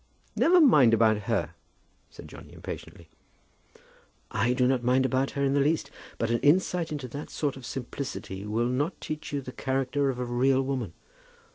"Never mind about her," said Johnny impatiently. "I do not mind about her in the least. But an insight into that sort of simplicity will not teach you the character of a real woman.